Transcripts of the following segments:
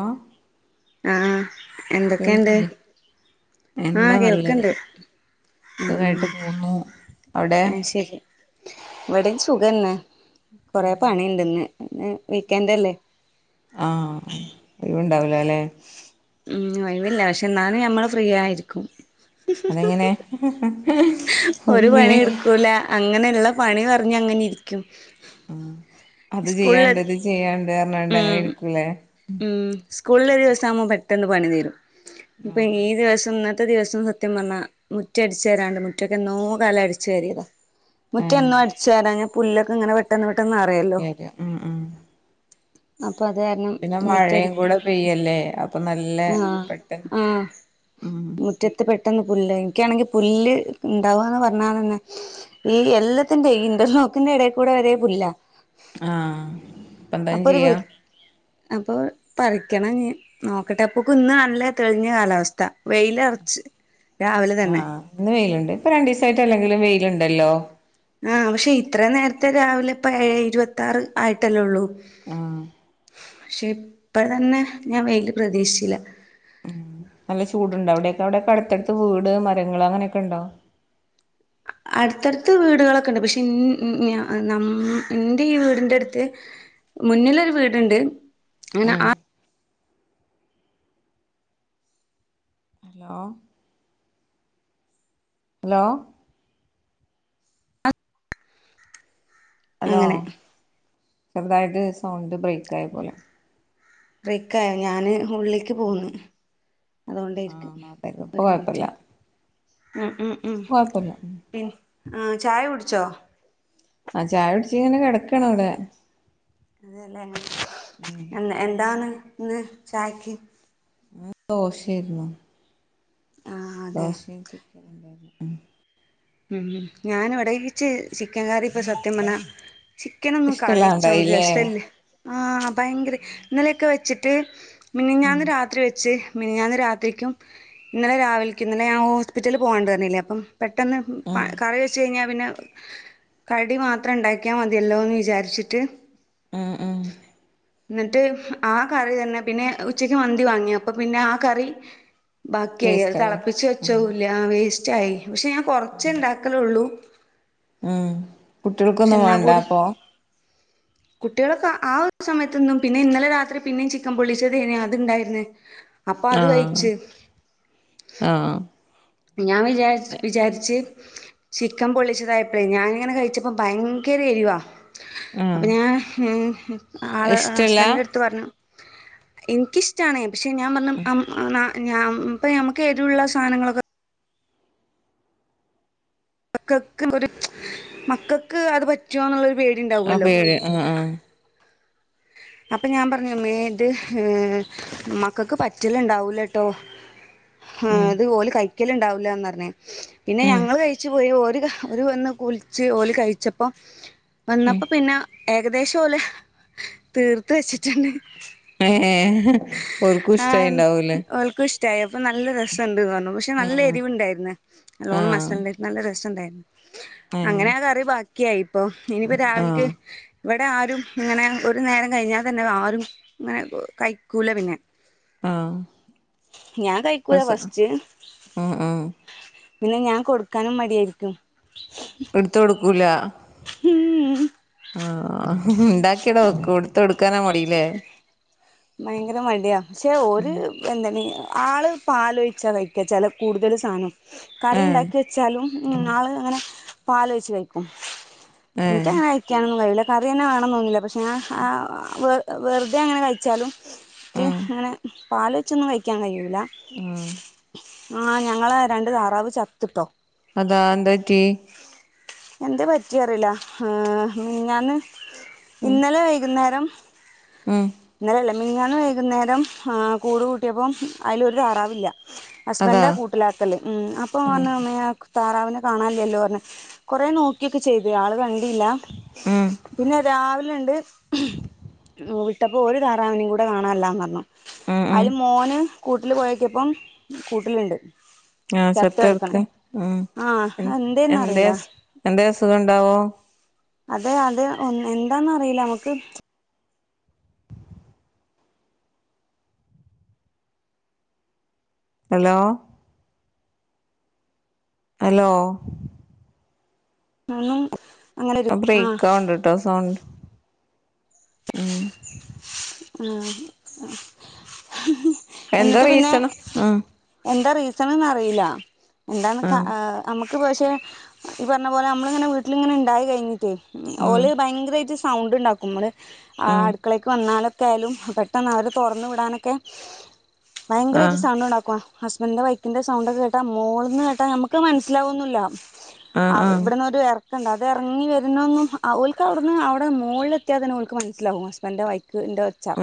ആഹ്? ആഹ്, എന്തൊക്കെണ്ട്? എന്താ ആഹ് നല്ലത്, കേൾക്ക്ണ്ട് സുഖായിട്ട് പോകുന്നു. ആഹ് ശരി, ഇവിടെ സുഖന്നെ. കൊറെ പണിണ്ട്ന്ന്, ഇന്ന് വീക്കന്റല്ലേ ആഹ് ഒഴിവ്ണ്ടാവൂലല്ലെ ഹ്മ്മ്, ഒഴിവില്ല പക്ഷെ ഇന്നാലും ഞമ്മള് ഫ്രീയായിരിക്കും. അതെങ്ങനെ? ഒരു പണി ഒഴിവില്ലേ എടുക്കൂല അങ്ങനെയുള്ള പണി പറഞ്ഞങ്ങനെ ഇരിക്കും. അത് സ്കൂളില് ചെയ്യാണ്ട് ഇത് ചെയ്യാണ്ട് കഞ്ഞാണ്ട് അങ്ങനെ ഇരിക്കൂലേ. മ് സ്കൂളിലെ ദിവസ ആവുമ്പോൾ പെട്ടെന്ന് പണി തീരും ഇപ്പൊ ആ ഈ ദിവസം ഇ - ഇത്ര ദിവസം സത്യം പറഞ്ഞാ മുറ്റ അടച്ച് വാരാണ്ട് മുറ്റൊക്കെ നോ കാലം അടിച്ചു വരയിയതാ. മുറ്റ എന്നും അടിച്ച വരാഞ്ഞ പുല്ലൊക്കെ ഇങ്ങനെ പെട്ടന്ന് - വെരാ ഉം ഉ അപ്പൊ അത് കാരണം മിറ്റടി കൂടെ [unintelligible] പെയ്യല്ലേ അപ്പൊ നല്ല ആ പെട്ടെന്ന് ആ ഉം മുറ്റത്ത് പെട്ടന്ന് പുല്ലായ് എനിക്കാണെങ്കി പുല്ല് ഇണ്ടാവാന്ന് പറഞാതെനെ ഈ എല്ലത്തിന്റെ ഈ ഇന്റർ ബോക്കിന്റെ എടേക്കൂടെ വെരേ പുല്ലാ ആ ഇപ്പന്തായ്ന് അപ്പൊ ഒരു വൃ ചെയ്യാ അപ്പൊ പറിക്കണം ഞ്ഞ് ന്നോക്കട്ടെ അപ്പൊക്ക്ന്നാണ്ല്ലെ തെളിഞ്ഞ കാലാവസ്ഥ വെയ്ലറ ശെരി ആഹ് ഇന്ന് വെയ്ല്ണ്ട് ഇപ്പ രണ്ടീസായിട്ട് അല്ലെങ്കിലും വെയ്ല്ണ്ടല്ലോ ആ പഷെ ഇത്രെന്നേരത്തെ രാവിലെ ഇപ്പഏയെ ഇര് വത്താറ് ആയിട്ടല്ലൊള്ളൂ ആ പക്ഷെ ഇപ്പം തന്നെ ഞാൻ വെയില് പ്രതീക്ഷിച്ചില്ല നല്ല ചൂട്ണ്ടവടെക്കെ അവടെക്കെ അടുത്തടുത്ത് വീട് മരങ്ങള് അങ്ങനൊക്കെണ്ടോ അടുത്തടുത്ത് വീടുകളൊക്കെണ്ട് പക്ഷെ ഇൻ നാ ന്നമ്മ ഇന്റെ ഈ വീടിന്റടുത്ത് മുനിലൊര് വീട്ണ്ട് അങ്ങനെ ഉം ആ ഹലോ ഹലോ ഹലോ അങ്ങനെ ചെറുതായിട്ട് സൗണ്ട് ബ്രേക്ക് ആയ പോലെ റിക്കയൊ ഞാന് ഉള്ളിൽക്ക് പോന്ന് അതുകൊണ്ടേയ്ര്ക്കും ആഹ് നാട്ടായിരിക്കും ഇപ്പൊ ഒര് മിനിറ്റ് ആ കൊയ്പല്ല്യ ആ ചായ കുടിച്ചോ? ആ ചായ കുടിച്ചിങ്ങനെ കെടക്കാണിടെ അതെലെ എന്ന് എന്താന്ന് ഇന്ന് ചായക്ക് ദോശേര്ന്നു ആ അതെ ദോശയും ചിക്കനുണ്ടായിരുന്നു ഉം ഞാന് ഇവടെ ഇച്ച് ചിക്കൻ കറി ഇപ്പ സത്യം പറഞ്ഞാ ചിക്കനൊന്നും കറി ഇഷ്ടമുള്ളത് വെച്ച ഒര് ഉണ്ടായില്ലേ രസല്ല്യ ആ ഭയങ്കര് ഇന്നലെക്കെ വെച്ചിട്ട് ഉം മിനിഞ്ഞാന്ന് രാത്രി വെച്ച് മിൻഞ്ഞാന്ന് രാത്രിക്കും ഇന്നലെരാവിൽക്ക് ഇന്നലെ ഞാൻ ഹോസ്പിറ്റലി പോവാണ്ട് പർഞ്ഞീലെ അപ്പം പെട്ടെന്ന് പ ഉം കറി വെച്ച് കയ്ഞ്ഞാപിനെ കടി മാത്രം ഇണ്ടാക്ക്‌യാ മതിയല്ലോന്ന് വിജാരിച്ചിട്ട് ആ ആ ന്ന്ട്ട് ആ കറി തനെ പിനെ ഉച്ചക്ക് മന്തി വാങ്ങി അപ്പ പിനെ ആ കറി ബാക്കിയായി അത് ടേസ്റ്റ് ആയോ തളപ്പിച്ച് ഉം വെച്ചതുംല്ല്യ വേസ്റ്റായി പക്ഷെ ഞാൻ പൊറ ച്ചേണ്ടാക്കലൊള്ളൂ ഉം കുട്ടികൾക്കൊന്നും വേണ്ടാ കൂടി അപ്പൊ കുട്ടികളൊക്കെ ആ ഒരു സമയത്തൊന്നും പിനെ ഇന്നലെ രാത്രി പിനേം ചിക്കൻ പൊള്ളിച്ചതേയ്ന് അത്ണ്ടായ്ര്ന്ന് അപ്പ അത് ആഹ് കയ്ച്ച് ആഹ് ഞാൻ വിജാര്ച്ച് വിചാരിച്ച് ചിക്കൻ പൊള്ളിച്ചതായിപ്പളെ ഞാനിങ്ങനെ കഴിച്ച അപ്പൊ ഭയങ്കര എരിവാ അപ്പ ആഹ് ഞാൻ ആള് ഇഷ്ടല്ല ഹസ്ബന്റ്ന്റെട്ത്ത് പർഞ്ഞു എനിക്കിഷ്ട്ടാണ് പക്ഷെ ഞാൻ പർഞ്ഞു അം ന്നാ ഞാ ഇപ്പ നമുക്ക് എരുള്ള സാനങ്ങളൊക്കെ മക്കക്ക് ഒര് മക്കക്ക് അത് പറ്റോന്നുള്ളൊരു പേടി ആ ഉണ്ടാവുമല്ലോ പേര് അ ആ അപ്പ ഞാൻ പറഞ്ഞു മ്മേത് ഏ മക്കക്ക് പറ്റല്ണ്ടാവൂലട്ടോ ആ ഉം അത് ഓല് കഴിക്കല്ണ്ടാവൂല്ലാന്ന് പറഞ്ഞ് പിന്നെ ഉം ഞങ്ങള് കഴിച്ചു പോയി ഒര് ഒരു വന്ന് കുളിച്ച് ഓല് കയിച്ചപ്പോ ഉം വന്നപ്പോ പിന്നെ ഏകദേശം ഓലെ തീർത്ത് വച്ചിട്ട്ണ്ട് ഏ ഏ ഓർക്കും ഇഷ്ടായിണ്ടാവൂലേ [unintelligible] ആയ പ്പംനല്ല രസണ്ട് പറഞ്ഞു പക്ഷെ നല്ല ഉം എരിവ്ണ്ടായിരുന്ന് നല്ലോണം ആഹ് മസാണ്ടാ നല്ല രസം ണ്ടായി ഏ അങ്ങനെ ആ കറി ബാക്കിയായി ഇപ്പൊ ഇനിയിപ്പോ രാവിൽക്ക് ആഹ് ഇവിടെ ആരും ഇങ്ങനെ ഒരു നേരം കഴിഞ്ഞാൽ തന്നെ ആരും ഇങ്ങനെ കഴിക്കൂല പിന്നെ ആഹ് ഞാൻ കഴിക്കൂല രസ ഫസ്റ്റ് ഉം ഉം പിന്നെ ഞാൻ കൊടുക്കാനും മടിയായിരിക്കും എടുത്ത് കൊടുക്കൂല മ് ആ ഉണ്ടാക്കിവടെ വെക്കും എടുത്ത് കൊടുക്കാനാ മടീലേ ഭയങ്കര മടിയ പക്ഷെ ഓര് എന്നെ ആള് പാല് ഒഴിച്ച കഴിക്കാ ചെല കൂടുതൽ സാനം കറി ഏഹ് ഉണ്ടാക്കി വെച്ചാലും ഉം ആള് അങ്ങനെ പാല് ഒയിച്ച് കയിക്കും ഏഹ് എനിക്കങ്ങനെ കയ്ക്കാനൊന്നും കയൂല കറി തന്നെ വേണനൊന്നുല്ല പക്ഷെ ഞാൻ ആ വെറുതെ അങ്ങനെ കയിച്ചാലും ക്ക് ഉം അങ്ങനെ പാൽ ഒയ്ച്ചൊന്നും കയിക്കാൻ കയ്യൂല ഉം ആ ഞങ്ങളെ രണ്ട് താറാവ് ചത്ത്ട്ടോ അതാ എന്തപറ്റി എന്ത പറ്റിറിയില്ല മിഞ്ഞാന്ന് ഇന്നലെ വൈകുന്നേരം ഉം ഇന്നലല്ല മിഞ്ഞാന്ന് വൈകുന്നേരം കൂട് കൂട്ടിയപ്പം അതിലൊരു തറാവില്ല അതാ ഹസ്ബന്റാകൂട്ടിലാക്കല് ഉം അപ്പൊ പറഞ്ഞ് ഞ്ഞ് താറാവിനെ കാണല്ലല്ലോ പറഞ്ഞ് കുറെ നോക്കി ഒക്കെ ചെയ്ത് ആള് ക ണ്ടീല്ല ഉം പിന്നെ രാവിലെ ഇണ്ട് വിട്ടപ്പോ ഒരു താറാവിനെ കൂടെ കാണാല്ലാന്ന് പറഞ്ഞു ഉം ഉം അയ്ല് മോന് കൂട്ടിൽ പോയോക്കിയപ്പം കൂട്ടിലിണ്ട് ആ ചത്ത്ടക്കാ ഉം ആഹ് എന്തെ എന്തേന്നറിയില്ല അ എന്തെ അസുഖം ഉണ്ടാവോ അത് അത് എന്താന്നറിയില്ല നമക്ക് ഹലോ ഹലോ [unintelligible] ആഹ് ബ്രേക്കാവിണ്ട്ട്ടോ സൗണ്ട് ഉം എന്താ എന്നിട്ട് പിന്നെ റീസണ് ഉം എന്ത റീ സൺന്ന് അറിയില്ല എന്താണ് ആഹ് നമുക്ക് പക്ഷെ ഈ പറഞ്ഞ പോലെ നമ്മളിങ്ങനെ വീട്ടിലിങ്ങനെ ഇണ്ടായി കയിഞ്ഞിട്ടേ ഉം ഓല് ഭയങ്കരായിട്ട് സൗണ്ട് ഉണ്ടാക്കും മ്മള് ഉം അടുക്കളക്ക് വന്നാൽ ക്കായാലും പെട്ടെന്ന് അവര് തുറന്ന് വിടാനൊക്കെ ഭയങ്കര ആയിട്ട് ആഹ് സൗണ്ട് ണ്ടാക്കും ഹസ്ബന്റിന്റെ ബൈക്കിന്റെ സൗണ്ട് ഒക്കെ കേട്ടാ മോളീന്ന് കേട്ടാ നമുക്ക് മനസിലാകൊന്നുല്ല ആഹ് ആ ആഹ് ഇവിടന്നൊരു എറ ക്കണ്ട് അത് ഇറങ്ങി വരുന്നന്നും ഓൽക്ക് അവിടുന്ന് അവടെ മോളില് എത്തിയാ തന്നെ ഓൽക്ക് മനസ്സിലാവും ഹസ്ബന്റെ ബൈ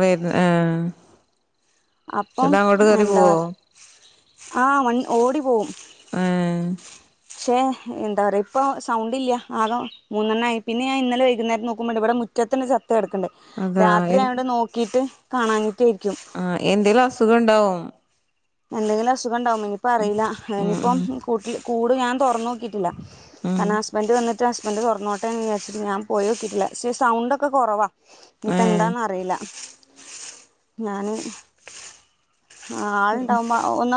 വരുന്ന ആ അപ്പം എന്താ ആ ഓടി പോവും ഏഹ് പക്ഷെ എന്താ പറയാ ഇപ്പ സൗണ്ട് ഇല്ല ആക മൂന്നെണ്ണായി പിന്നെ ഞൻ ഇന്നലെ വൈകുന്നേരം നോക്കുമ്പോേ ഇവിടെ മുറ്റം മുറ്റത്തിണ്ട് ചത്ത് കടക്കണ്ട് അതാ രാത്രി എ ആയോണ്ട് നോക്കീട്ട് കാണാഞ്ഞിട്ടേയിരിക്കും ആഹ് എന്തേലും അസുഖണ്ടാവും എന്തെങ്കിലും അസുഖം ഉണ്ടാവും ഇനിയിപ്പ അറിയില്ല ഉം ഇനിയിപ്പം ഉം കൂട്ടില് കൂട് ഞാൻ തുറന്ന് നോക്കി ട്ടില്ല ഉം കാരണം ഹസ്ബന്റ് വന്നിട്ട് ഹസ്ബന്റ് തൊറന്നോട്ടേ വിചാരിച്ചിട്ട് ഞാൻ പോയോക്കിയിട്ടില്ല പക്ഷേ സൗണ്ടൊക്കെ കുറവാ ഇനിപ്പ ഏഹ് ന്താ അറിയില്ല ഞാന് ആള് ഉണ്ടാവുമ്പോ ഒന്ന്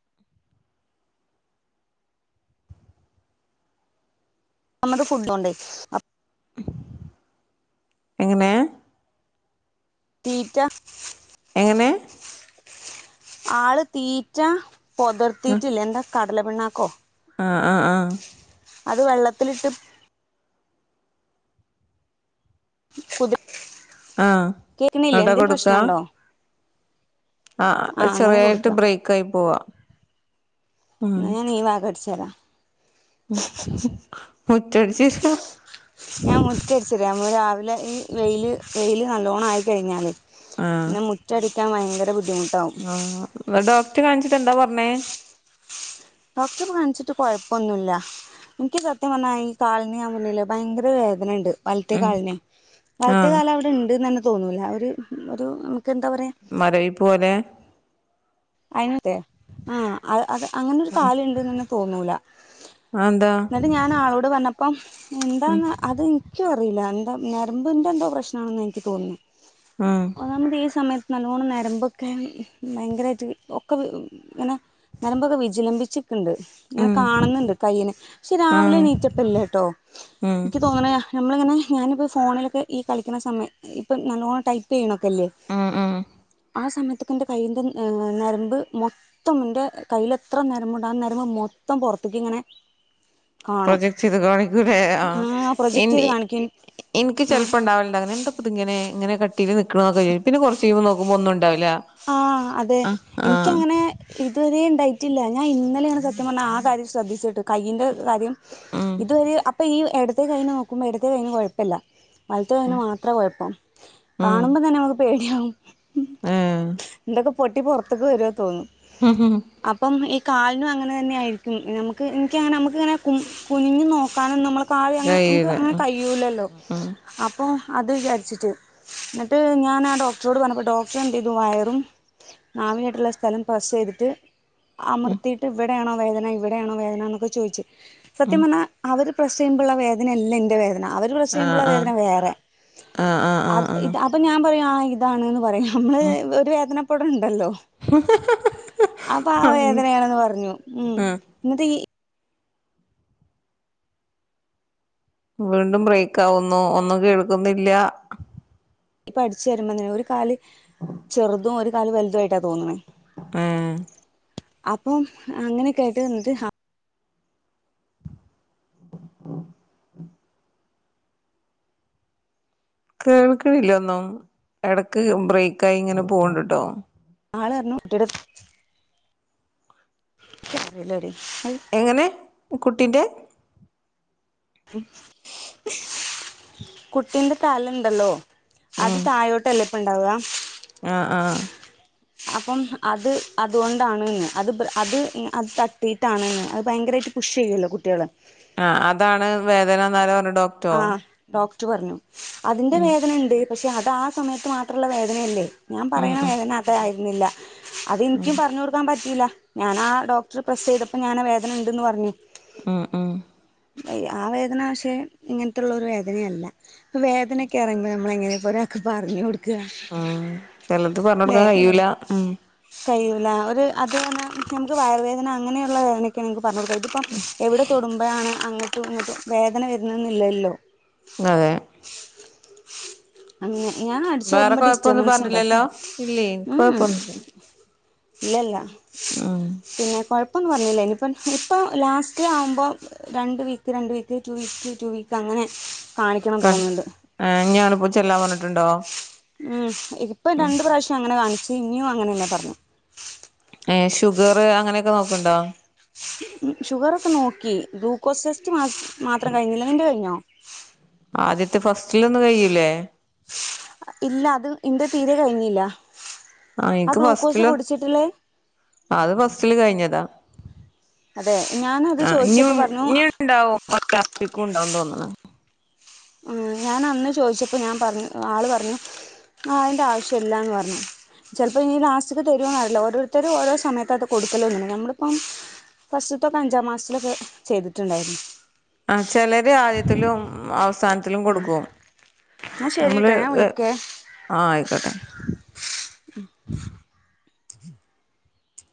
ന്നാമത് ഫുഡോണ്ടേ എങ്ങനെ തീറ്റ എങ്ങനെ ആള് തീറ്റ പൊതിർത്തീറ്റില്ല എന്താ കടല പിണ്ണാക്കോ ആ ആ ആ അത് വെള്ളത്തിലിട്ട് പുതിർ ആഹ് കേക്കണില്ലേ ന്നട്ടാ എന്തങ്കിലും പ്രശ്നുണ്ടോ ആഹ ചെറിയായിട്ട് കൊടുക്കുക ബ്രേക്ക് ആയി പോവാ ന്നാ ഞാൻ ഈ ഭാഗം അടിച്ചോരാ ഉം ഉം മുറ്റ ഞാൻ മുറ്റടിച്ചൊരാ രാവിലെ ഈ വെയില് വെയില് നല്ലോണം ആയി കഴിഞ്ഞാല് പിന്നെ മുറ്റടിക്കാൻ ഭയങ്കര ബു ആഹ ഡോക്ടർ കാണിച്ചിട്ട് എന്താ പറഞ്ഞേ ഡോക്ടർ കാണിച്ചിട്ട് കൊഴപ്പൊന്നുല്ല എനിക്ക് സത്യം പറഞ്ഞാ ഈ കാലിനു ഞാൻ പറഞ്ഞില്ലേ ഭയങ്കര വേദ വേദന ഉണ്ട് വലത്തെ ഉം കാലിന് വലത്തെ ആഹ് കാല് അവിടെണ്ട് തന്നെ തോന്നൂല ഒരു ഒരു എന്താ പറയാ മരവിപ്പ് പോലെ അയിന് ത്തെ ആ അത് അങ്ങനെ ഒരു കാലുണ്ട് ന്ന് തോന്നൂല അതെന്താ ന്നിട്ട് ഞാൻ ആളോട് പറഞ്ഞപ്പം ഉം എന്താന്ന് അത് എനിക്കും അറിയില്ല ന്ന് ഞരമ്പിന്റെ എന്തോ പ്രശ്നാണെന്ന് എനിക്ക് തോന്നുന്നത് ഉം അതാണ് ഈ സമയത്ത് നല്ലോണം നരമ്പൊക്കെ ഭയങ്കരായിട്ട് ഒക്കെ ഇങ്ങനെ നരമ്പൊക്കെ വിജിലംബിച്ച് ണ്ട് ഇങ്ങനെ ഉം കാണുന്നുണ്ട് കയ്യിന് പക്ഷെ രാവിലെ ആഹ് എണീറ്റപ്പ ഇല്ലേട്ടോ ഉം എനിക്ക് തോന്നണ നമ്മളിങ്ങനെ ഞാനിപ്പോ ഫോണിലൊക്കെ ഈ കളിക്കണ സമയം ഇപ്പൊ നല്ലോണം ടൈപ്പ് ചെയ്യണ ല്ലേ ഉം ഉം ആ സമയതൊക്കെ ന്റെ കയ്യിന്റെ നരമ്പ് മുൻപ് മൊത്തം എന്റെ കയ്യിൽ എത്ര നേരമ്പുണ്ടന്ന് നരമ്പ് മൊത്തം പുറത്തേക്ക് ഇങ്ങനെ കാണും പ്രൊജെക്ട് ചെയ്ത് കാണിക്കല്ലേ ആ പ്രൊജക്ട് ചെയ്ത് കാണിക്കും എനിക്ക് ആ ചില്പ്പോ ഉണ്ടാവൽ ഉണ്ട് അങ്ങനെ എന്ത പ്പഅതിങ്ങനെ കട്ടീൽ നിക്കണൊക്കെ പിന്നെ കുറച്ചു കഴിഞ്ഞു നോക്കുമ്പോ ഒന്നുണ്ട് ആഹ അതെ ആഹ് എനിക്കങ്ങനെ ഇതുവരെയണ്ടായി ണ്ടായിട്ടില്ല ഞാൻ ഇന്നലെയാണ് സത്യം പറഞ്ഞാൽ ആ കാര്യം ശ്രദ്ധിച്ചിട്ട് കയ്യിന്റെ കാര്യം ഉം ഇതുവരെ അപ്പൊ ഈ ഇടത്തെ കഴിന് നോക്കുമ്പോൾ ഇട്ത്തെ കഴിന് കുഴപ്പല്ല വലത്തെ കയ്നു ഉം മാത്രേ കുഴപ്പം ഉം കാണുമ്പോ തന്നെ നമുക്ക് പേടിയാവും. ഏഹ് എന്തൊക്കെ പൊട്ടി പുറത്ത്ക്ക് വരൂ തോന്നും അപ്പം ഈ കാലിനും അങ്ങനെ തന്നെയായിരിക്കും നമുക്ക് എനിക്കങ്ങനെ നമുക്കിങ്ങനെ കുനിഞ്ഞു നോക്കാനും നമ്മൾ ആവി അങ്ങനെ നമുക്ക് കഴിയൂല അങ്ങനെ ഉം കഴിയൂല്ലല്ലോ ഉം അപ്പോൾ അത് വിചാരിച്ചിട്ട് എന്നിട്ട് ഞാൻ ആ ഡോക്ടറോട് പറഞ്ഞപ്പോൾ ഡോക്ടറെ എന്ത്‌ ചെയ്തു വയറി നാവിയായിട്ടുള്ള സ്ഥലം പസ് ചെയ്തിട്ട് അമർത്തിയിട്ട് വെട്ട എവിടെയാണോ വേദന ഇവിടെയാണോ വേദന എന്നൊക്കെ ചോദിച്ചു ഉം സത്യം പറഞ്ഞാൽ അവർ പ്രസ് ചെയ്യുമ്പോള്ള വേദനയല്ല എന്റെ വേദന അവർ പ്രസ്സ് ചെയ്യുമ്പോ ആഹ് ള്ള ആഹ് വേദന വേറെ ആഹ് ആഹ് ആഹ് അപ്പ ഞാൻ പറയും ആ ഇതാണ് പറയാ നമ്മള് ഒരു വേദനപ്പെട ണ്ടല്ലോ അപ്പൊ ആ ആഹ് വേദനയാണെന്ന് പറഞ്ഞു ഉം ന്നിട്ടീ വീണ്ടും ബ്രേക്ക് ആവുന്നു ഒന്നും കേൾക്കുന്നില്ല ഇപ്പ അഠിച്ചു വരുമ്പോന്നെ ഒരു കാല് ചെറുതും ഒരു കാല് വലുതും ആയിട്ടാ തോന്നണ. ആഹ അപ്പം അങ്ങനെയൊക്കെ ആയിട്ട് ന്നിട്ട് കേൾക്കണില്ല ഒന്നും ഇടക്ക് ബ്രേക്ക് ആയി ഇങ്ങനെ പോണ്ട് ട്ടോ ആളർഞ്ഞു കുട്ടിയത്തല്ലടി എങ്ങനെ കുട്ടിന്റെ കുട്ടീന്റെ തലണ്ടല്ലോ [inaudible] അത് തായഴോട്ടല്ല ഇപ്പ ഉണ്ടാവാ ആഹ ആഹ അപ്പം അത് അതുകൊണ്ടാണ് അത് അത് അത് തട്ടിട്ടാണ് ത അത് ഭയങ്കര [inaudible] പുഷ് ചെയ്യല്ലോ കുട്ടികള് - ആഹ അതാണ് വേദന നാരാ പറഞ്ഞ ആ ഡോക്ടർ പറഞ്ഞു അതിന്റെ ഉം വേദന ഉണ്ട്. പക്ഷെ അത് ആ സമയത്ത് മാത്രമുള്ള വേദനയല്ലേ ഞാൻ ഉം പറയുന്ന ഉം വേദന അത ആയിരുന്നില്ല. ഉം അതെനിക്കും പറഞ്ഞു കൊടുക്കാൻ പറ്റൂലയില്ല ഞാൻ ആ ഡോക്ടർ പ്രസ് ചെയ്തപ്പോ ഞാൻ വേദന ഉണ്ടന്ന് പറഞ്ഞു ഉം മ് ആ വേദന പഷെഇങ്ങനത്തുള്ള ഒരു വേദനയല്ലപ്പ വേദനയൊക്കെ ഇറുമ്പോ നമ്മള എങ്ങനെ അാർങ്ങോ [unintelligible] ഉം ചെലത്പറഞ്ഞ കൊടുക്കാൻ കഴിയൂല ഉം - കഴയില്ല ഒരു അത് തന്നാ നമുക്ക് വയറുവ വേദന അങ്ങനെയുള്ള വേദനൊക്കെയാണ് നമുക്ക് പറഞ്ഞ ഇതിപ്പം എവിടെ തൊടുമ്പോഴാണ് അങ്ങട്ടും ഇങ്ങിട്ട് വേദന വരുന്നെന്നില്ലല്ലോ അതെ അങ്ങനെ ഞാൻ അടിച്ച വേറെ വരുമ്പോ കൊഴപ്പൊന്നും ഡിസ്റ്റർബൻസ് ഉണ്ടോ പറഞ്ഞില്ലല്ലോ ഇല്ലേ എനിക്ക് ഉം കൊഴപ്പൊന്നുല്ല ലല്ല ഉം പിന്നെ [inaudible] ഇപ്പന്ന് പറഞ്ഞില്ലേ ഇനിപ്പം ഇപ്പം ലാസ്റ്റ് ആവുമ്പോൾ - രണ്ട് വീക്ക് രണ്ട് week two week two week അങ്ങനെ കാണിക്കണം തോന്നുന്നുണ്ട് കൺഞ്പ്പോ ചെല്ലാം പറന്നിട്ടുണ്ടോ? ഉം ഇപ്പൊ രണ്ട പ്രാവശ്യം അങ്ങനെ കാണിച്ചു ഇനിയും അങ്ങനെന്നെ പറഞ്ഞേ ഏ ഷുഗർ അങ്ങനെയൊക്കെ നോക്ണ്ടോ ഷുഗർ ഒക്കെ നോക്കി ഗ്ലൂക്കോസ് ടെസ്റ്റ് മാത്രം കഴിഞ്ഞില്ല നിന്റെ കഴിഞ്ഞോ ആദ്യത്തെ ഫസ്റ്റിലൊന്നും കയ്യൂലേ? ഇല്ല അത് ഇന്റെ തീരെ കഴിഞ്ഞില്ല ആ എനിക്ക് ഗ്ലൂക്കോസ് ഫസ്റ്റില് കുടിച്ചിട്ടില്ലേ അത് ഫസ്റ്റില് കഴിഞ്ഞതാ അതെ ഞാനത് ആ ഞ് ചോദിച്ചപ്പോ പറഞ്ഞു ഞ്ഞൂ ണ്ടാവും പലാസ്റ്റിക്ക ഉണ്ടാവുംന്ന് തോന്നണ ഉ ഞാൻ അന്ന് ചോദിച്ചപ്പോ ഞാൻ പറഞ്ഞു ആള് പറഞ്ഞു ആഹ അതിന്റെ ആവശ്യംല്ലാന്ന് പറഞ്ഞു ചിലപ്പോ ഇനി ലാസ്റ്റക്ക് തരുന്നറില്ല ഓരോരുത്തരും ഓരോ സമയത്ത് അത് കൊടുക്കല്ലോന്നില്ല നമ്മളിപ്പം ഫസ്റ്റത്തൊക്കെ അഞ്ചാം മാസത്തിലൊക്കെ ചെയ്തിട്ടുണ്ടായിരുന്നു ആ ചിലര് ആദ്യത്തിലും അവസാന മത്തിലും ആ കൊടുക്കും എന്നാൽ ശരി നമ്മള് കേട്ടോ ഞാൻ വിളിക്കാം ആഹ ആയിക്കോട്ടെ ഉ [inaudible]